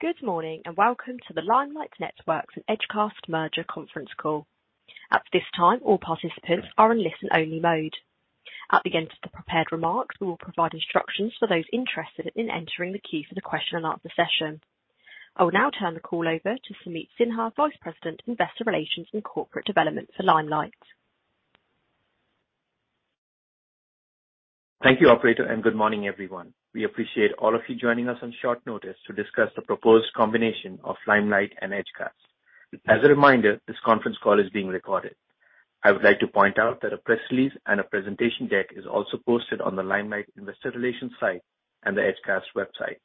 Good morning, and welcome to the Limelight Networks and Edgecast merger conference call. At this time, all participants are in listen-only mode. At the end of the prepared remarks, we will provide instructions for those interested in entering the queue for the question and answer session. I will now turn the call over to Sameet Sinha, Vice President, Investor Relations and Corporate Development for Limelight. Thank you, operator, and good morning, everyone. We appreciate all of you joining us on short notice to discuss the proposed combination of Limelight and Edgecast. As a reminder, this conference call is being recorded. I would like to point out that a press release and a presentation deck is also posted on the Limelight Investor Relations site and the Edgecast website.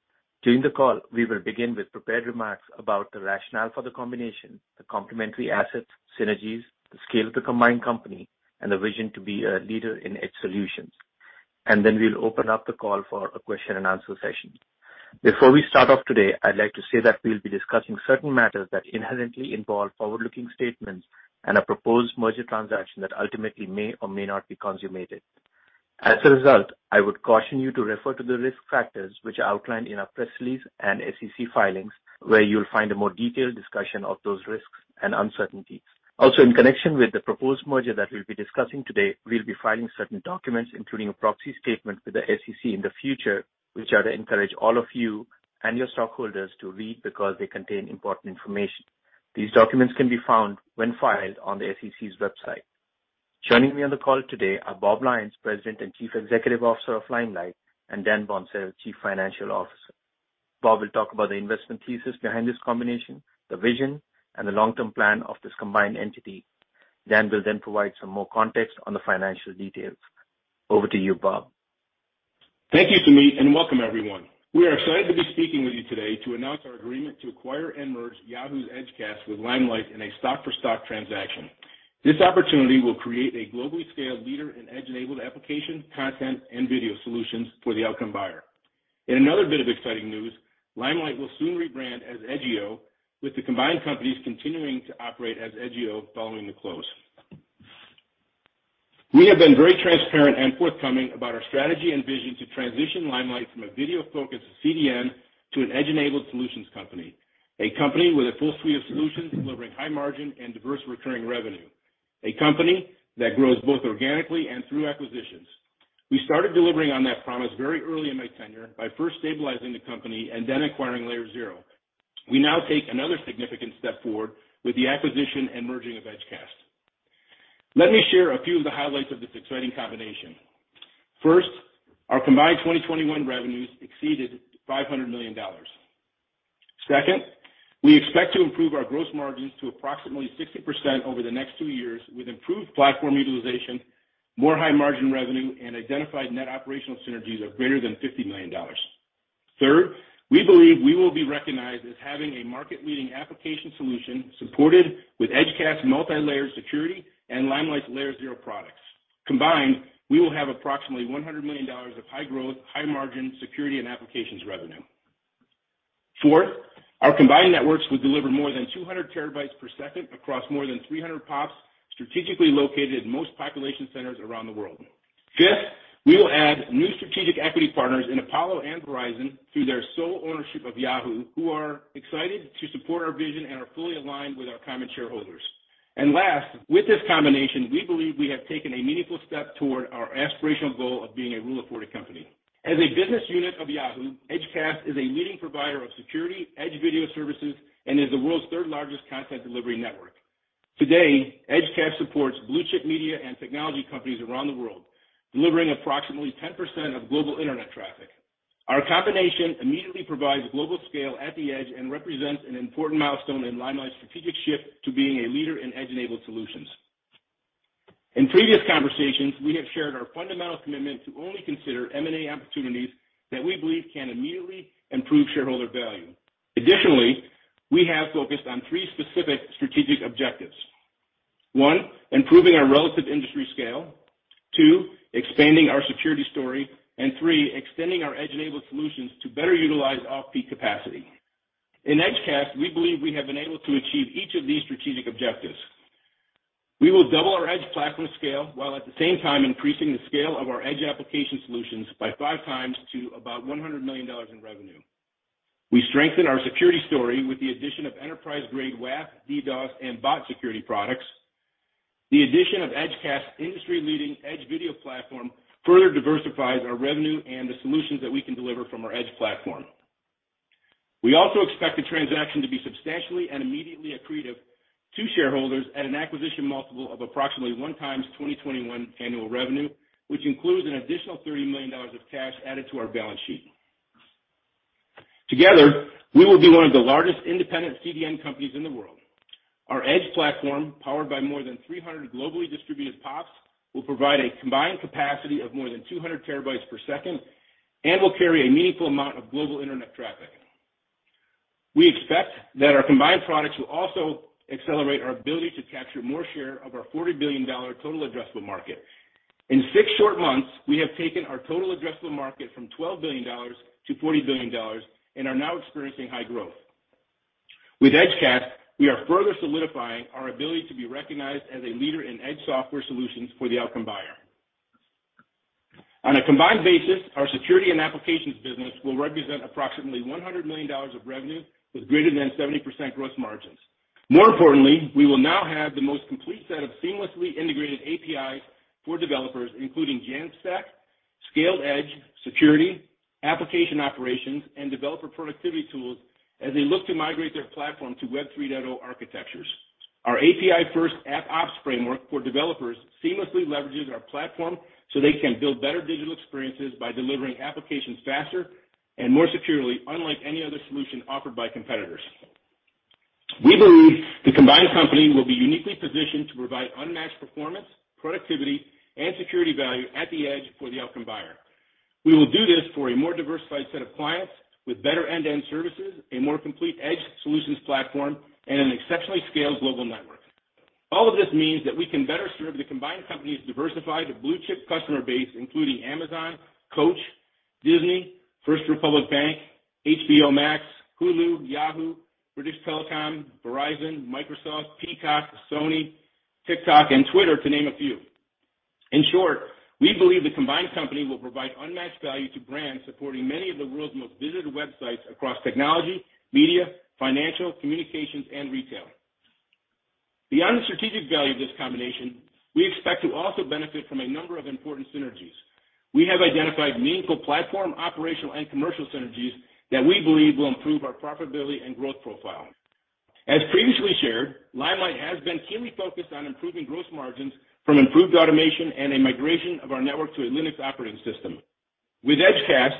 During the call, we will begin with prepared remarks about the rationale for the combination, the complementary assets, synergies, the scale of the combined company, and the vision to be a leader in edge solutions. We'll open up the call for a question and answer session. Before we start off today, I'd like to say that we'll be discussing certain matters that inherently involve forward-looking statements and a proposed merger transaction that ultimately may or may not be consummated. As a result, I would caution you to refer to the risk factors which are outlined in our press release and SEC filings, where you'll find a more detailed discussion of those risks and uncertainties. Also, in connection with the proposed merger that we'll be discussing today, we'll be filing certain documents, including a proxy statement with the SEC in the future, which I'd encourage all of you and your stockholders to read because they contain important information. These documents can be found when filed on the SEC's website. Joining me on the call today are Bob Lyons, President and Chief Executive Officer of Limelight, and Dan Boncel, Chief Financial Officer. Bob will talk about the investment thesis behind this combination, the vision and the long-term plan of this combined entity. Dan will then provide some more context on the financial details. Over to you, Bob. Thank you, Sameet, and welcome everyone. We are excited to be speaking with you today to announce our agreement to acquire and merge Yahoo's Edgecast with Limelight in a stock-for-stock transaction. This opportunity will create a globally scaled leader in edge-enabled application, content, and video solutions for the outcome buyer. In another bit of exciting news, Limelight will soon rebrand as Edgio, with the combined companies continuing to operate as Edgio following the close. We have been very transparent and forthcoming about our strategy and vision to transition Limelight from a video-focused CDN to an edge-enabled solutions company. A company with a full suite of solutions delivering high margin and diverse recurring revenue. A company that grows both organically and through acquisitions. We started delivering on that promise very early in my tenure by first stabilizing the company and then acquiring Layer0. We now take another significant step forward with the acquisition and merging of Edgecast. Let me share a few of the highlights of this exciting combination. First, our combined 2021 revenues exceeded $500 million. Second, we expect to improve our gross margins to approximately 60% over the next two years, with improved platform utilization, more high-margin revenue, and identified net operational synergies of greater than $50 million. Third, we believe we will be recognized as having a market-leading application solution supported with Edgecast multilayer security and Limelight's Layer0 products. Combined, we will have approximately $100 million of high-growth, high-margin security and applications revenue. Fourth, our combined networks will deliver more than 200 Tbps across more than 300 PoPs strategically located in most population centers around the world. Fifth, we will add new strategic equity partners in Apollo and Verizon through their sole ownership of Yahoo, who are excited to support our vision and are fully aligned with our common shareholders. Last, with this combination, we believe we have taken a meaningful step toward our aspirational goal of being a Rule of 40 company. As a business unit of Yahoo, Edgecast is a leading provider of security, edge video services, and is the world's third-largest content delivery network. Today, Edgecast supports blue-chip media and technology companies around the world, delivering approximately 10% of global Internet traffic. Our combination immediately provides global scale at the edge and represents an important milestone in Limelight's strategic shift to being a leader in edge-enabled solutions. In previous conversations, we have shared our fundamental commitment to only consider M&A opportunities that we believe can immediately improve shareholder value. Additionally, we have focused on three specific strategic objectives. One, improving our relative industry scale. Two, expanding our security story. And three, extending our edge-enabled solutions to better utilize off-peak capacity. In Edgecast, we believe we have been able to achieve each of these strategic objectives. We will double our edge platform scale, while at the same time increasing the scale of our edge application solutions by 5x to about $100 million in revenue. We strengthen our security story with the addition of enterprise-grade WAF, DDoS, and bot security products. The addition of Edgecast's industry-leading edge video platform further diversifies our revenue and the solutions that we can deliver from our edge platform. We also expect the transaction to be substantially and immediately accretive to shareholders at an acquisition multiple of approximately 1x 2021 annual revenue, which includes an additional $30 million of cash added to our balance sheet. Together, we will be one of the largest independent CDN companies in the world. Our edge platform, powered by more than 300 globally distributed PoPs, will provide a combined capacity of more than 200 Tbps and will carry a meaningful amount of global Internet traffic. We expect that our combined products will also accelerate our ability to capture more share of our $40 billion total addressable market. In six short months, we have taken our total addressable market from $12 billion to $40 billion and are now experiencing high growth. With Edgecast, we are further solidifying our ability to be recognized as a leader in edge software solutions for the outcome buyer. On a combined basis, our security and applications business will represent approximately $100 million of revenue with greater than 70% gross margins. More importantly, we will now have the most complete set of seamlessly integrated APIs for developers, including Jamstack, scaled edge, security, application operations, and developer productivity tools as they look to migrate their platform to Web 3.0 architectures. Our API-first AppOps framework for developers seamlessly leverages our platform so they can build better digital experiences by delivering applications faster and more securely, unlike any other solution offered by competitors. We believe the combined company will be uniquely positioned to provide unmatched performance, productivity and security value at the edge for the outcome buyer. We will do this for a more diversified set of clients with better end-to-end services, a more complete edge solutions platform, and an exceptionally scaled global network. All of this means that we can better serve the combined company's diversified blue-chip customer base, including Amazon, Coach, Disney, First Republic Bank, HBO Max, Hulu, Yahoo, British Telecom, Verizon, Microsoft, Peacock, Sony, TikTok, and Twitter, to name a few. In short, we believe the combined company will provide unmatched value to brands supporting many of the world's most visited websites across technology, media, financial, communications and retail. Beyond the strategic value of this combination, we expect to also benefit from a number of important synergies. We have identified meaningful platform, operational and commercial synergies that we believe will improve our profitability and growth profile. As previously shared, Limelight has been keenly focused on improving gross margins from improved automation and a migration of our network to a Linux operating system. With Edgecast,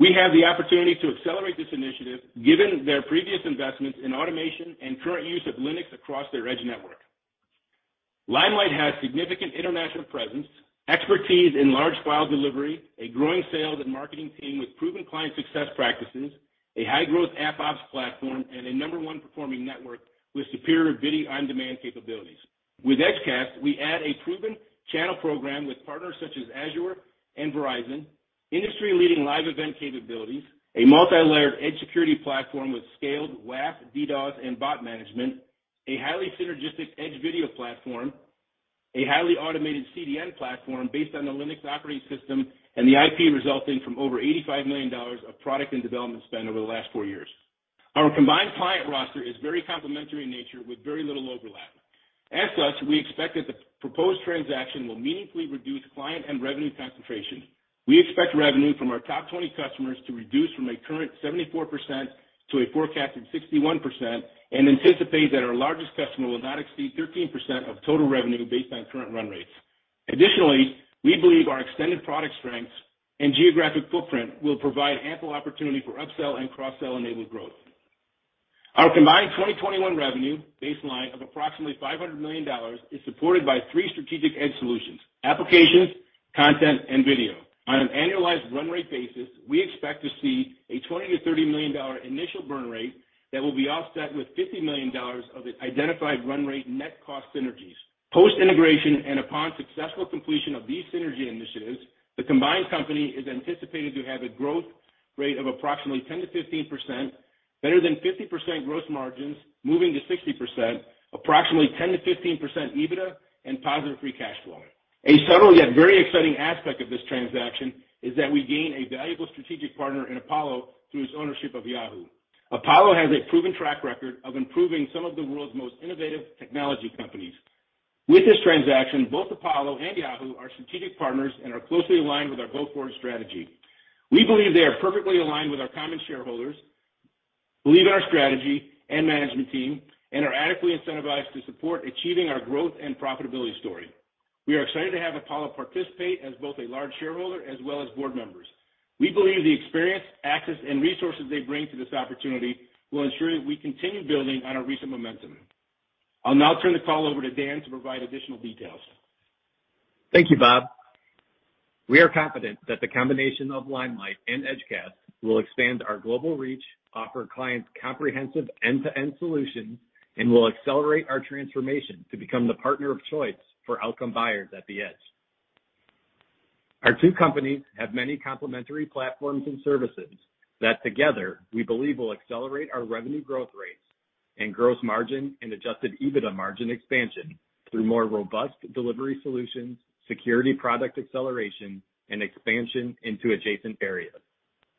we have the opportunity to accelerate this initiative given their previous investments in automation and current use of Linux across their edge network. Limelight has significant international presence, expertise in large file delivery, a growing sales and marketing team with proven client success practices, a high-growth AppOps platform, and a number one performing network with superior video-on-demand capabilities. With Edgecast, we add a proven channel program with partners such as Azure and Verizon, industry-leading live event capabilities, a multilayered edge security platform with scaled WAF, DDoS, and bot management, a highly synergistic edge video platform, a highly automated CDN platform based on the Linux operating system, and the IP resulting from over $85 million of product and development spend over the last four years. Our combined client roster is very complementary in nature with very little overlap. As such, we expect that the proposed transaction will meaningfully reduce client and revenue concentration. We expect revenue from our top 20 customers to reduce from a current 74% to a forecasted 61% and anticipate that our largest customer will not exceed 13% of total revenue based on current run rates. Additionally, we believe our extended product strengths and geographic footprint will provide ample opportunity for upsell and cross-sell enabled growth. Our combined 2021 revenue baseline of approximately $500 million is supported by three strategic edge solutions, applications, content, and video. On an annualized run rate basis, we expect to see a $20 million-$30 million initial burn rate that will be offset with $50 million of its identified run rate net cost synergies. Post-integration and upon successful completion of these synergy initiatives, the combined company is anticipated to have a growth rate of approximately 10%-15% better than 50% gross margins, moving to 60%, approximately 10%-15% EBITDA and positive free cash flow. A subtle yet very exciting aspect of this transaction is that we gain a valuable strategic partner in Apollo through its ownership of Yahoo. Apollo has a proven track record of improving some of the world's most innovative technology companies. With this transaction, both Apollo and Yahoo are strategic partners and are closely aligned with our go-forward strategy. We believe they are perfectly aligned with our common shareholders, believe our strategy and management team, and are adequately incentivized to support achieving our growth and profitability story. We are excited to have Apollo participate as both a large shareholder as well as board members. We believe the experience, access, and resources they bring to this opportunity will ensure that we continue building on our recent momentum. I'll now turn the call over to Dan to provide additional details. Thank you, Bob. We are confident that the combination of Limelight and Edgecast will expand our global reach, offer clients comprehensive end-to-end solutions, and will accelerate our transformation to become the partner of choice for outcome buyers at the edge. Our two companies have many complementary platforms and services that together we believe will accelerate our revenue growth rates and gross margin and adjusted EBITDA margin expansion through more robust delivery solutions, security product acceleration, and expansion into adjacent areas.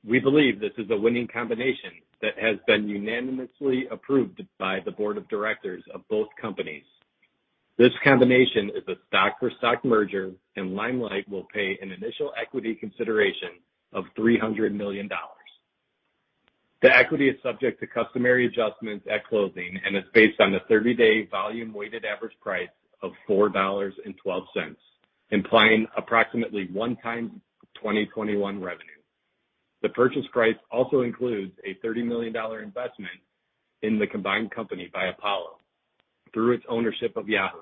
We believe this is a winning combination that has been unanimously approved by the board of directors of both companies. This combination is a stock-for-stock merger, and Limelight will pay an initial equity consideration of $300 million. The equity is subject to customary adjustments at closing and is based on the 30-day volume weighted average price of $4.12, implying approximately 1x 2021 revenue. The purchase price also includes a $30 million investment in the combined company by Apollo through its ownership of Yahoo,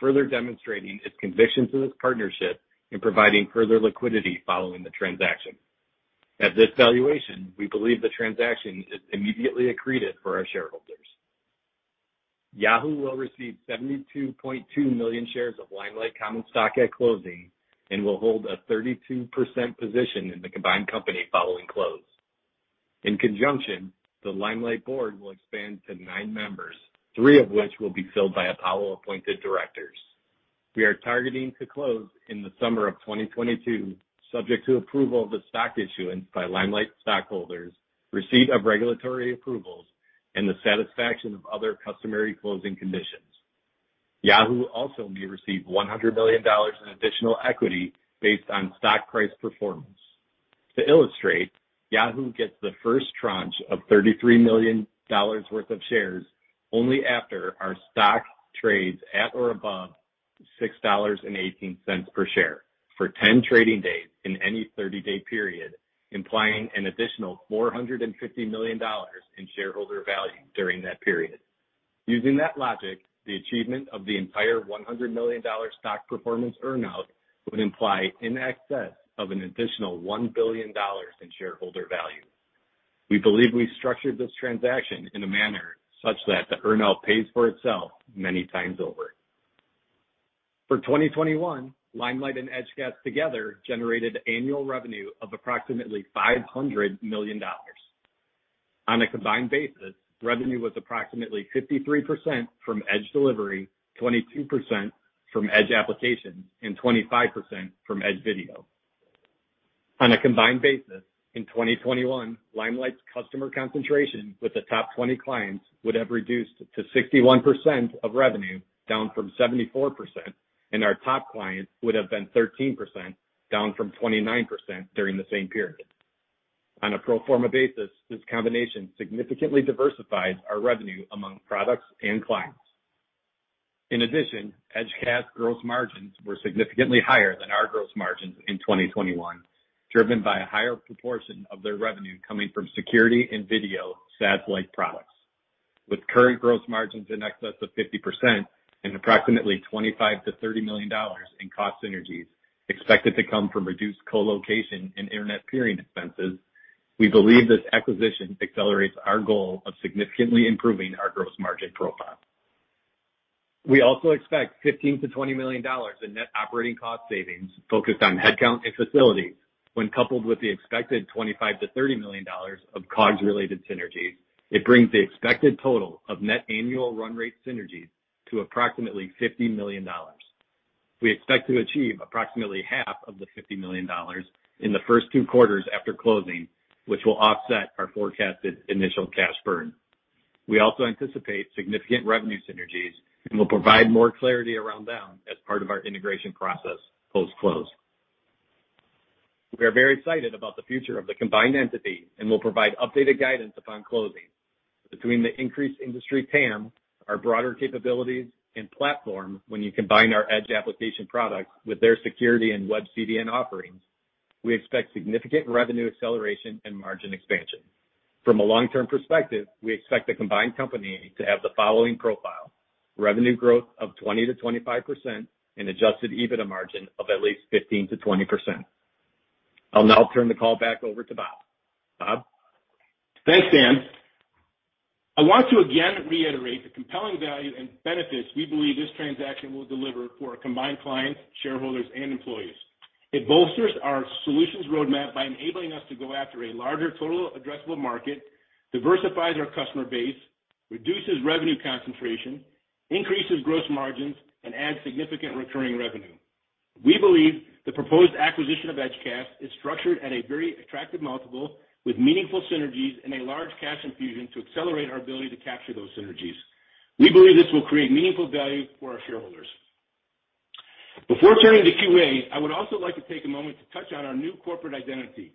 further demonstrating its conviction to this partnership in providing further liquidity following the transaction. At this valuation, we believe the transaction is immediately accretive for our shareholders. Yahoo will receive 72.2 million shares of Limelight common stock at closing and will hold a 32% position in the combined company following close. In conjunction, the Limelight board will expand to nine members, three of which will be filled by Apollo-appointed directors. We are targeting to close in the summer of 2022 subject to approval of the stock issuance by Limelight stockholders, receipt of regulatory approvals, and the satisfaction of other customary closing conditions. Yahoo also may receive $100 million in additional equity based on stock price performance. To illustrate, Yahoo gets the first tranche of $33 million worth of shares only after our stock trades at or above $6.18 per share for 10 trading days in any 30-day period, implying an additional $450 million in shareholder value during that period. Using that logic, the achievement of the entire $100 million stock performance earn-out would imply in excess of an additional $1 billion in shareholder value. We believe we structured this transaction in a manner such that the earn-out pays for itself many times over. For 2021, Limelight and Edgecast together generated annual revenue of approximately $500 million. On a combined basis, revenue was approximately 53% from Edge delivery, 22% from Edge applications, and 25% from Edge video. On a combined basis, in 2021, Limelight's customer concentration with the top 20 clients would have reduced to 61% of revenue, down from 74%, and our top clients would have been 13%, down from 29% during the same period. On a pro forma basis, this combination significantly diversifies our revenue among products and clients. In addition, Edgecast gross margins were significantly higher than our gross margins in 2021, driven by a higher proportion of their revenue coming from security and video SaaS-like products. With current gross margins in excess of 50% and approximately $25 million-$30 million in cost synergies expected to come from reduced co-location and Internet peering expenses, we believe this acquisition accelerates our goal of significantly improving our gross margin profile. We also expect $15 million-$20 million in net operating cost savings focused on headcount and facilities when coupled with the expected $25 million-$30 million of COGS-related synergies. It brings the expected total of net annual run rate synergies to approximately $50 million. We expect to achieve approximately half of the $50 million in the first two quarters after closing, which will offset our forecasted initial cash burn. We also anticipate significant revenue synergies, and we'll provide more clarity around them as part of our integration process post-close. We are very excited about the future of the combined entity and will provide updated guidance upon closing. Between the increased industry TAM, our broader capabilities, and platform, when you combine our Edge application products with their security and web CDN offerings, we expect significant revenue acceleration and margin expansion. From a long-term perspective, we expect the combined company to have the following profile. Revenue growth of 20%-25% and adjusted EBITDA margin of at least 15%-20%. I'll now turn the call back over to Bob. Bob? Thanks, Dan. I want to again reiterate the compelling value and benefits we believe this transaction will deliver for our combined clients, shareholders, and employees. It bolsters our solutions roadmap by enabling us to go after a larger total addressable market, diversifies our customer base, reduces revenue concentration, increases gross margins, and adds significant recurring revenue. We believe the proposed acquisition of Edgecast is structured at a very attractive multiple with meaningful synergies and a large cash infusion to accelerate our ability to capture those synergies. We believe this will create meaningful value for our shareholders. Before turning to Q&A, I would also like to take a moment to touch on our new corporate identity.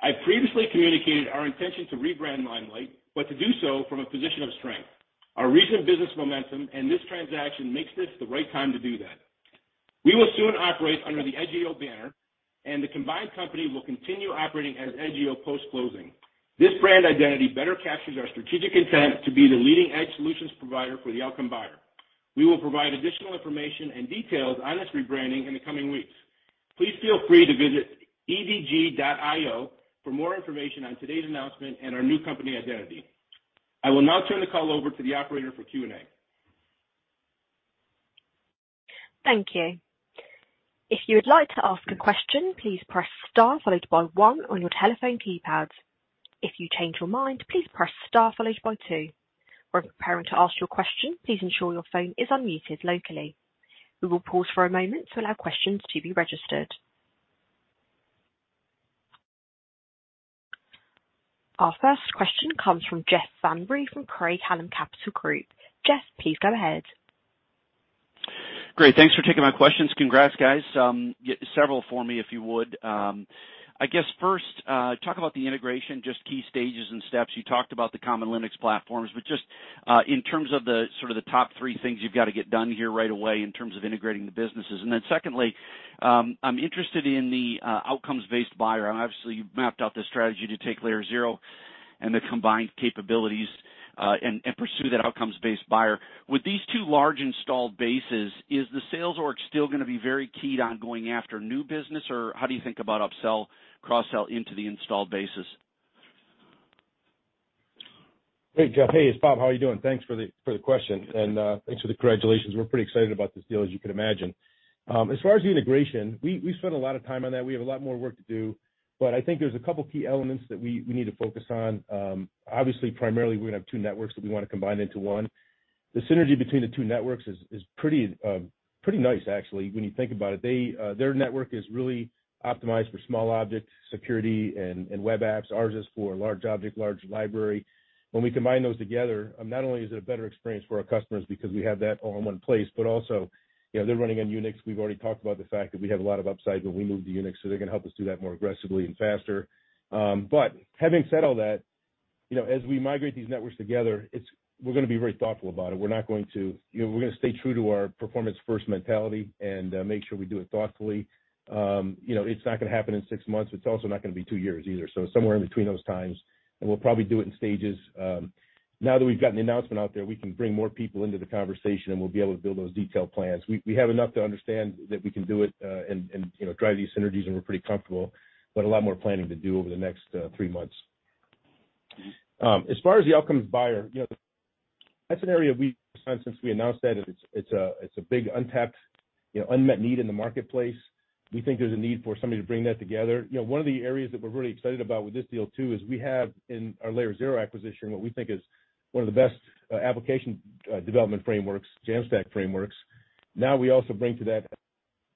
I previously communicated our intention to rebrand Limelight, but to do so from a position of strength. Our recent business momentum and this transaction makes this the right time to do that. We will soon operate under the Edgio banner, and the combined company will continue operating as Edgio post-closing. This brand identity better captures our strategic intent to be the leading edge solutions provider for the outcome buyer. We will provide additional information and details on this rebranding in the coming weeks. Please feel free to visit edg.io for more information on today's announcement and our new company identity. I will now turn the call over to the operator for Q&A. Thank you. If you would like to ask a question, please press star followed by one on your telephone keypads. If you change your mind, please press star followed by two. When preparing to ask your question, please ensure your phone is unmuted locally. We will pause for a moment to allow questions to be registered. Our first question comes from Jeff Van Rhee from Craig-Hallum Capital Group. Jeff, please go ahead. Great. Thanks for taking my questions. Congrats, guys. Several for me, if you would. I guess first, talk about the integration, just key stages and steps. You talked about the common Linux platforms, but just, in terms of the sort of the top three things you've got to get done here right away in terms of integrating the businesses. Secondly, I'm interested in the outcomes-based buyer. Obviously, you've mapped out the strategy to take Layer0 and the combined capabilities, and pursue that outcomes-based buyer. With these two large installed bases, is the sales org still gonna be very keyed on going after new business? Or how do you think about upsell, cross-sell into the installed bases? Hey, Jeff. Hey, it's Bob. How are you doing? Thanks for the question, and thanks for the congratulations. We're pretty excited about this deal, as you can imagine. As far as the integration, we spent a lot of time on that. We have a lot more work to do, but I think there's a couple key elements that we need to focus on. Obviously, primarily, we're gonna have two networks that we wanna combine into one. The synergy between the two networks is pretty nice, actually, when you think about it. Their network is really optimized for small object security and web apps. Ours is for large object, large library. When we combine those together, not only is it a better experience for our customers because we have that all in one place, but also, you know, they're running on Unix. We've already talked about the fact that we have a lot of upside when we move to Unix, so they're gonna help us do that more aggressively and faster. But having said all that, you know, as we migrate these networks together, we're gonna be very thoughtful about it. We're not going to, you know, we're gonna stay true to our performance-first mentality and make sure we do it thoughtfully. You know, it's not gonna happen in six months. It's also not gonna be two years either, so somewhere in between those times, and we'll probably do it in stages. Now that we've got an announcement out there, we can bring more people into the conversation, and we'll be able to build those detailed plans. We have enough to understand that we can do it, and you know, drive these synergies, and we're pretty comfortable, but a lot more planning to do over the next three months. As far as the Outcomes buyer, you know, that's an area we've done since we announced that. It's a big untapped, you know, unmet need in the marketplace. We think there's a need for somebody to bring that together. You know, one of the areas that we're really excited about with this deal too is we have in our Layer0 acquisition what we think is one of the best application development frameworks, Jamstack frameworks. Now we also bring to that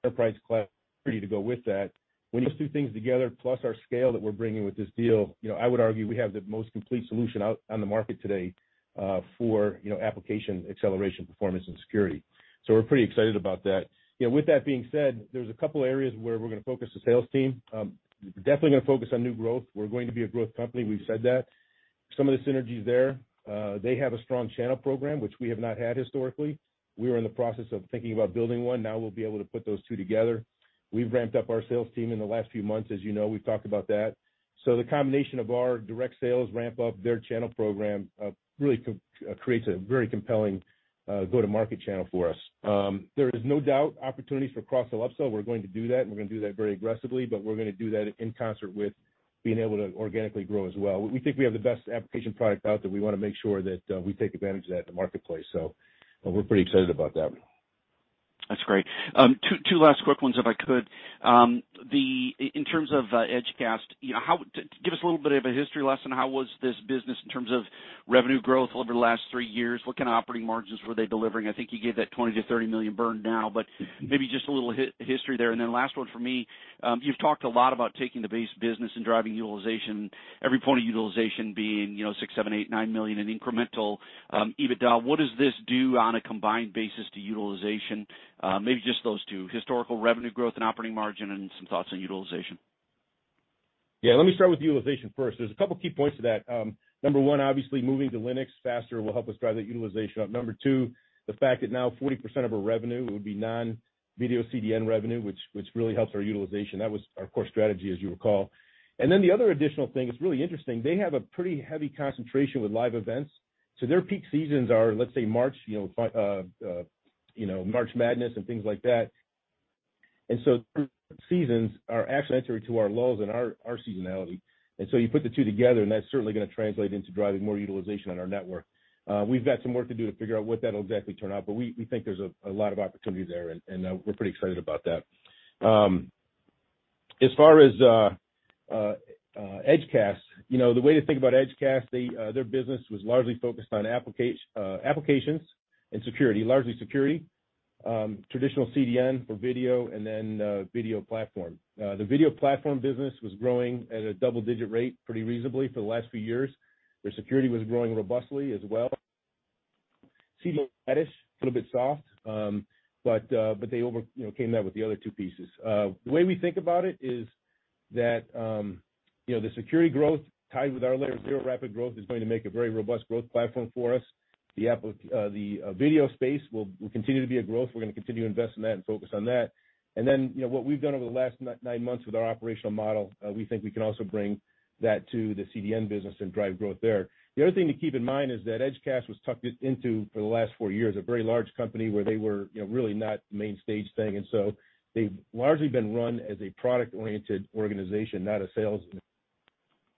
enterprise-class security to go with that. When you have those two things together, plus our scale that we're bringing with this deal, you know, I would argue we have the most complete solution out on the market today for, you know, application acceleration, performance, and security. We're pretty excited about that. You know, with that being said, there's a couple areas where we're gonna focus the sales team. Definitely gonna focus on new growth. We're going to be a growth company. We've said that. Some of the synergies there, they have a strong channel program, which we have not had historically. We were in the process of thinking about building one. Now we'll be able to put those two together. We've ramped up our sales team in the last few months, as you know. We've talked about that. The combination of our direct sales ramp up, their channel program, really creates a very compelling, go-to-market channel for us. There is no doubt opportunities for cross or upsell. We're going to do that, and we're gonna do that very aggressively, but we're gonna do that in concert with being able to organically grow as well. We think we have the best application product out there. We wanna make sure that, we take advantage of that in the marketplace. We're pretty excited about that. That's great. Two last quick ones if I could. In terms of Edgecast, you know, give us a little bit of a history lesson. How was this business in terms of revenue growth over the last three years? What kind of operating margins were they delivering? I think you gave that $20 million-$30 million burn down, but maybe just a little history there. Last one for me, you've talked a lot about taking the base business and driving utilization. Every point of utilization being, you know, $6 million-$9 million in incremental EBITDA. What does this do on a combined basis to utilization? Maybe just those two, historical revenue growth and operating margin and some thoughts on utilization. Yeah. Let me start with utilization first. There's a couple key points to that. Number one, obviously moving to Linux faster will help us drive that utilization up. Number two, the fact that now 40% of our revenue would be non-video CDN revenue, which really helps our utilization. That was our core strategy, as you recall. Then the other additional thing, it's really interesting. They have a pretty heavy concentration with live events, so their peak seasons are, let's say, March, you know, March Madness and things like that. Their seasons are actually contrary to our lows and our seasonality. You put the two together, and that's certainly gonna translate into driving more utilization on our network. We've got some work to do to figure out what that'll exactly turn out, but we think there's a lot of opportunity there, and we're pretty excited about that. As far as Edgecast, you know, the way to think about Edgecast, their business was largely focused on applications and security, largely security. Traditional CDN for video and then video platform. The video platform business was growing at a double-digit rate pretty reasonably for the last few years. Their security was growing robustly as well. Seemed a little bit soft, but they you know, came out with the other two pieces. The way we think about it is that, you know, the security growth tied with our Layer0 rapid growth is going to make a very robust growth platform for us. The video space will continue to be a growth. We're gonna continue to invest in that and focus on that. Then, you know, what we've done over the last nine months with our operational model, we think we can also bring that to the CDN business and drive growth there. The other thing to keep in mind is that Edgecast was tucked into, for the last four years, a very large company where they were, you know, really not main stage thing. So they've largely been run as a product-oriented organization, not a sales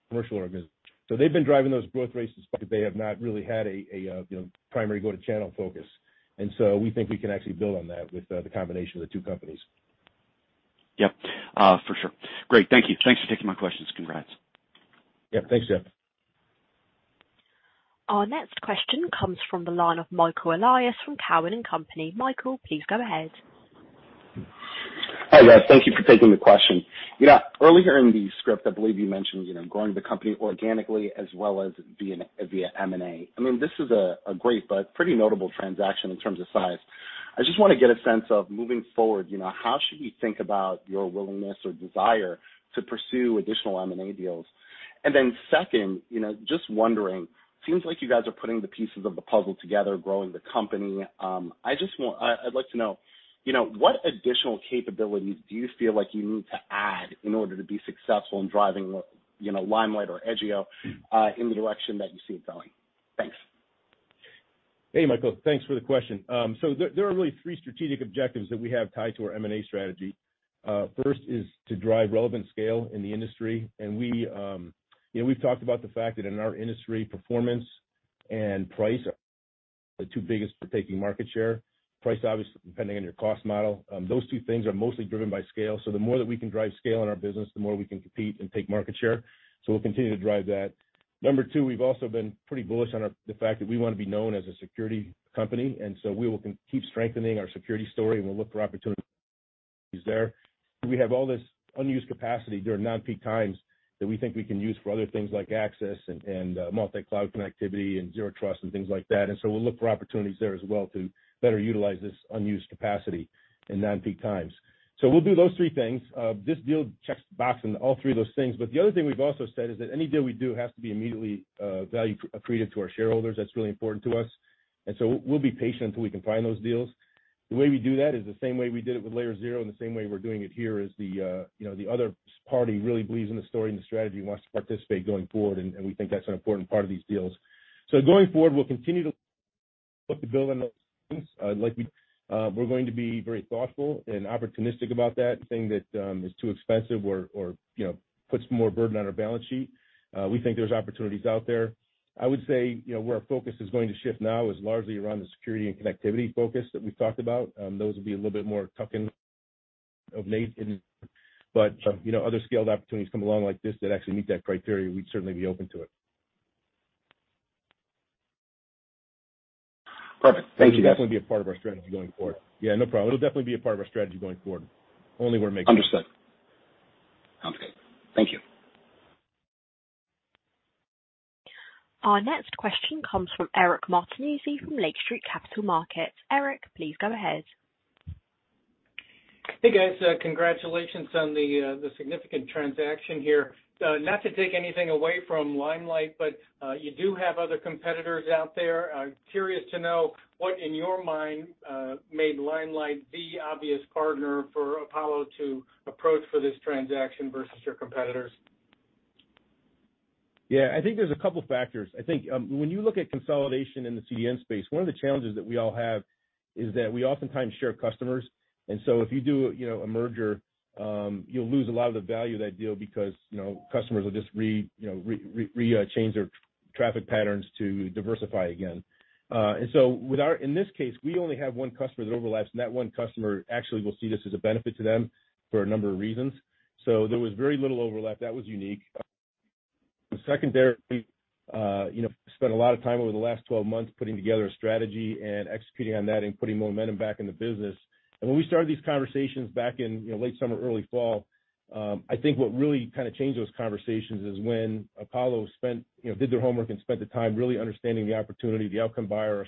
commercial organization. They've been driving those growth rates because they have not really had a you know primary go-to-channel focus. We think we can actually build on that with the combination of the two companies. Yep. For sure. Great. Thank you. Thanks for taking my questions. Congrats. Yep. Thanks, Jeff. Our next question comes from the line of Michael Elias from Cowen and Company. Michael, please go ahead. Hi, guys. Thank you for taking the question. You know, earlier in the script, I believe you mentioned, you know, growing the company organically as well as via M&A. I mean, this is a great but pretty notable transaction in terms of size. I just wanna get a sense of moving forward, you know, how should we think about your willingness or desire to pursue additional M&A deals? Then second, you know, just wondering, seems like you guys are putting the pieces of the puzzle together, growing the company. I'd like to know, you know, what additional capabilities do you feel like you need to add in order to be successful in driving, you know, Limelight or Edgio, in the direction that you see it going? Hey, Michael. Thanks for the question. So there are really three strategic objectives that we have tied to our M&A strategy. First is to drive relevant scale in the industry. We, you know, we've talked about the fact that in our industry, performance and price are the two biggest factors for taking market share. Price, obviously, depending on your cost model. Those two things are mostly driven by scale. The more that we can drive scale in our business, the more we can compete and take market share. We'll continue to drive that. Number two, we've also been pretty bullish on the fact that we wanna be known as a security company, and we will keep strengthening our security story, and we'll look for opportunities there. We have all this unused capacity during non-peak times that we think we can use for other things like access and multi-cloud connectivity and zero trust and things like that. We'll look for opportunities there as well to better utilize this unused capacity in non-peak times. We'll do those three things. This deal checks the box in all three of those things. The other thing we've also said is that any deal we do has to be immediately value accretive to our shareholders. That's really important to us. We'll be patient until we can find those deals. The way we do that is the same way we did it with Layer0 and the same way we're doing it here, is, you know, the other party really believes in the story and the strategy and wants to participate going forward, and we think that's an important part of these deals. Going forward, we'll continue to foot the bill in those things. We're going to be very thoughtful and opportunistic about that, anything that is too expensive or, you know, puts more burden on our balance sheet. We think there's opportunities out there. I would say, you know, where our focus is going to shift now is largely around the security and connectivity focus that we've talked about. Those will be a little bit more tuck in of late in. you know, other scaled opportunities come along like this that actually meet that criteria. We'd certainly be open to it. Perfect. Thank you. It'll definitely be a part of our strategy going forward. Yeah, no problem. It'll definitely be a part of our strategy going forward, only where it makes sense. Understood. Sounds good. Thank you. Our next question comes from Eric Martinuzzi from Lake Street Capital Markets. Eric, please go ahead. Hey, guys. Congratulations on the significant transaction here. Not to take anything away from Limelight, but you do have other competitors out there. I'm curious to know what in your mind made Limelight the obvious partner for Apollo to approach for this transaction versus your competitors. Yeah. I think there's a couple factors. I think when you look at consolidation in the CDN space, one of the challenges that we all have is that we oftentimes share customers. If you do, you know, a merger, you'll lose a lot of the value of that deal because, you know, customers will just change their traffic patterns to diversify again. With our in this case, we only have one customer that overlaps, and that one customer actually will see this as a benefit to them for a number of reasons. There was very little overlap. That was unique. Secondarily, we spent a lot of time over the last twelve months putting together a strategy and executing on that and putting momentum back in the business. When we started these conversations back in, you know, late summer, early fall, I think what really kinda changed those conversations is when Apollo spent, you know, did their homework and spent the time really understanding the opportunity, the outcome buyer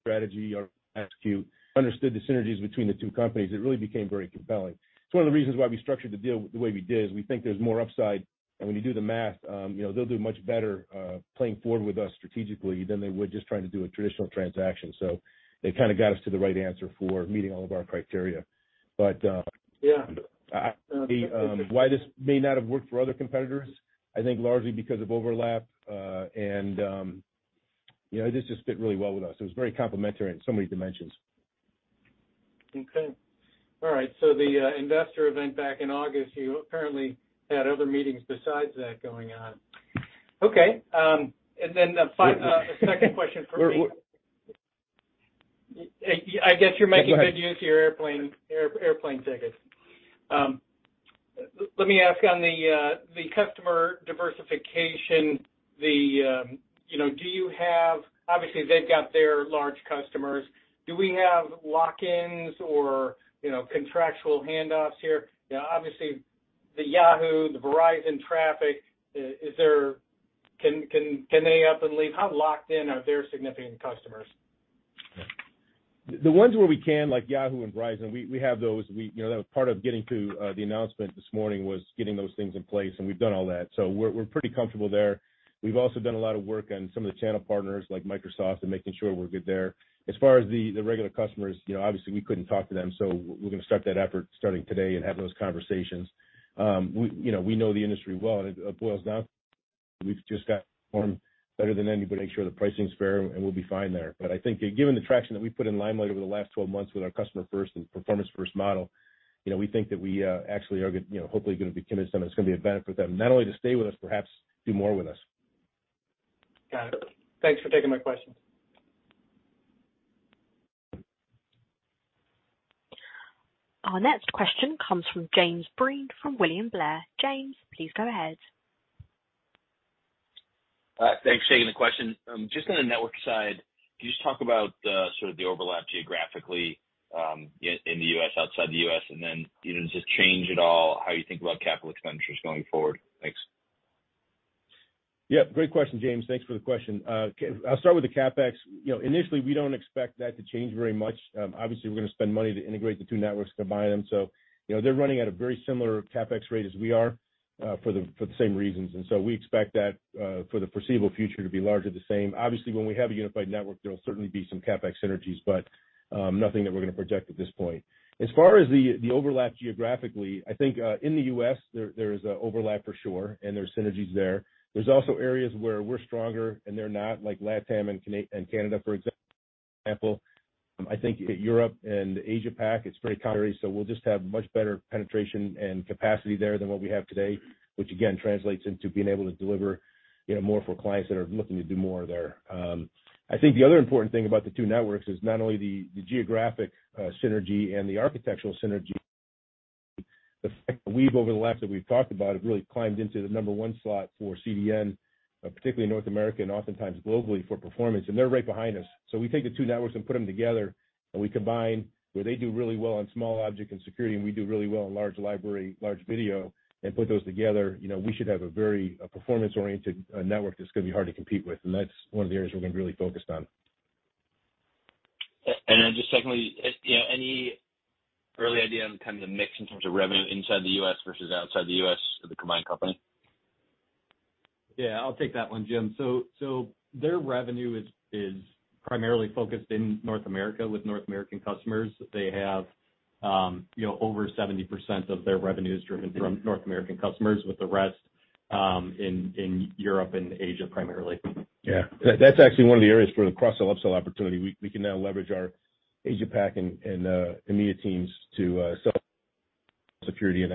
strategy or execution, understood the synergies between the two companies, it really became very compelling. It's one of the reasons why we structured the deal the way we did, is we think there's more upside. When you do the math, you know, they'll do much better, playing forward with us strategically than they would just trying to do a traditional transaction. They kinda got us to the right answer for meeting all of our criteria. Yeah. The why this may not have worked for other competitors, I think largely because of overlap. You know, this just fit really well with us. It was very complementary in so many dimensions. Okay. All right. The investor event back in August, you apparently had other meetings besides that going on. Okay. My second question. We're, we're- I guess you're making good use of your airplane tickets. Let me ask on the customer diversification. You know, do you have, obviously they've got their large customers. Do we have lock-ins or, you know, contractual handoffs here? You know, obviously the Yahoo, the Verizon traffic, is there, can they up and leave? How locked in are their significant customers? The ones where we can, like Yahoo and Verizon, we have those. We, you know, that was part of getting to, the announcement this morning was getting those things in place, and we've done all that. We're pretty comfortable there. We've also done a lot of work on some of the channel partners like Microsoft and making sure we're good there. As far as the regular customers, you know, obviously we couldn't talk to them, so we're gonna start that effort starting today and having those conversations. You know, we know the industry well, and it boils down, we've just got to perform better than anybody to make sure the pricing's fair, and we'll be fine there. I think given the traction that we've put in Limelight over the last 12 months with our customer first and performance first model, you know, we think that we actually are gonna, you know, hopefully gonna be convinced them it's gonna be a benefit for them, not only to stay with us, perhaps do more with us. Got it. Thanks for taking my questions. Our next question comes from Jim Breen from William Blair. James, please go ahead. Thanks for taking the question. Just on the network side, can you just talk about sort of the overlap geographically in the U.S., outside the U.S., and then, you know, does this change at all how you think about capital expenditures going forward? Thanks. Great question, James. Thanks for the question. I'll start with the CapEx. You know, initially, we don't expect that to change very much. Obviously, we're gonna spend money to integrate the two networks, combine them. You know, they're running at a very similar CapEx rate as we are for the same reasons. We expect that for the foreseeable future to be largely the same. Obviously, when we have a unified network, there'll certainly be some CapEx synergies, but nothing that we're gonna project at this point. As far as the overlap geographically, I think in the U.S. there is an overlap for sure, and there's synergies there. There's also areas where we're stronger and they're not, like LatAm and Canada, for example. I think Europe and Asia Pac, it's very complementary. We'll just have much better penetration and capacity there than what we have today, which again translates into being able to deliver, you know, more for clients that are looking to do more there. I think the other important thing about the two networks is not only the geographic synergy and the architectural synergy, the fact that Edgecast that we've talked about has really climbed into the number one slot for CDN, particularly in North America and oftentimes globally for performance. They're right behind us. We take the two networks and put them together, and we combine where they do really well on small object and security, and we do really well in large library, large video, and put those together, you know, we should have a very performance-oriented network that's gonna be hard to compete with. That's one of the areas we're gonna be really focused on. Just secondly, you know, any early idea on kind of the mix in terms of revenue inside the U.S. versus outside the U.S. for the combined company? Yeah, I'll take that one, Jim. Their revenue is primarily focused in North America with North American customers. They have, you know, over 70% of their revenue is driven from North American customers with the rest in Europe and Asia primarily. Yeah. That's actually one of the areas for the cross-sell, upsell opportunity. We can now leverage our Asia Pac and EMEA teams to sell security and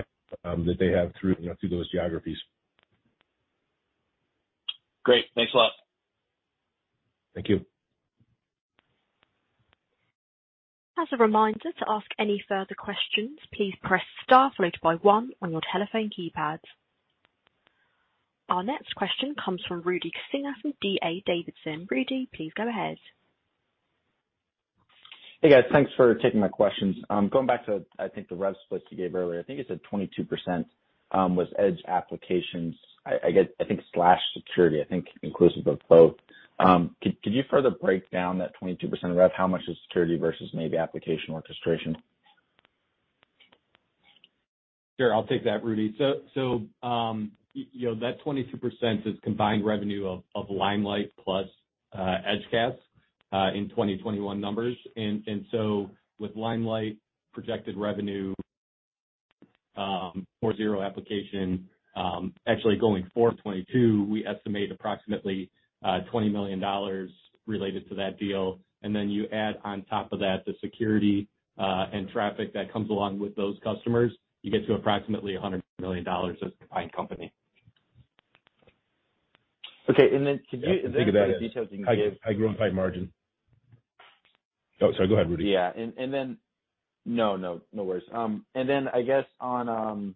that they have through, you know, through those geographies. Great. Thanks a lot. Thank you. As a reminder to ask any further questions, please press star followed by one on your telephone keypads. Our next question comes from Rudy Kessinger with D.A. Davidson. Rudy, please go ahead. Hey, guys. Thanks for taking my questions. Going back to, I think the rev splits you gave earlier. I think slash security, inclusive of both. Could you further break down that 22% rev? How much is security versus maybe application orchestration? Sure. I'll take that, Rudy. You know, that 22% is combined revenue of Limelight plus Edgecast in 2021 numbers. With Limelight projected revenue for Layer0 actually going $422 million, we estimate approximately $20 million related to that deal. You add on top of that the security and traffic that comes along with those customers, you get to approximately $100 million as the combined company. Okay. Could you- Yeah. Think about it. Any other details you can give? I agree on tight margin. Oh, sorry. Go ahead, Rudy. No worries. I guess on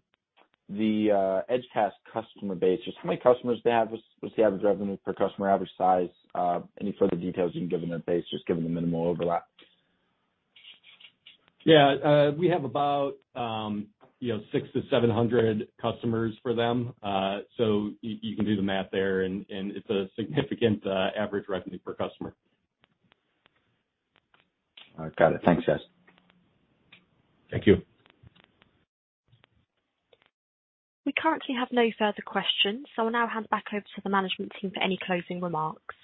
the Edgecast customer base, just how many customers do they have? What's the average revenue per customer, average size? Any further details you can give on their base, just given the minimal overlap? Yeah. We have about, you know, 600 customers-700 customers for them. You can do the math there and it's a significant average revenue per customer. All right. Got it. Thanks, guys. Thank you. We currently have no further questions, so I'll now hand back over to the management team for any closing remarks.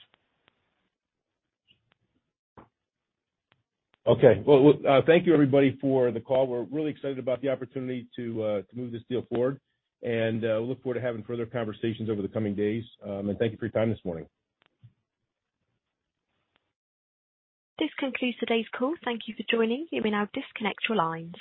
Okay. Well, thank you everybody for the call. We're really excited about the opportunity to move this deal forward, and we look forward to having further conversations over the coming days. Thank you for your time this morning. This concludes today's call. Thank you for joining. You may now disconnect your lines.